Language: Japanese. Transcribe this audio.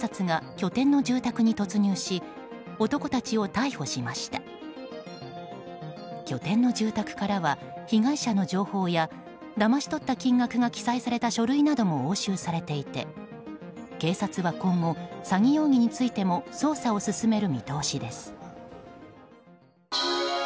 拠点の住宅からは被害者の情報やだまし取った金額が記載された書類なども押収されていて、警察は今後詐欺容疑についても捜査を進める見通しです。